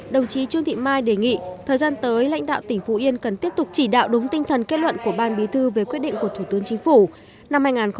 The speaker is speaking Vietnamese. đồng chí trương thị mai đề nghị thời gian tới lãnh đạo tỉnh phú yên cần tiếp tục chỉ đạo đúng tinh thần kết luận của ban bí thư về quyết định của thủ tướng chính phủ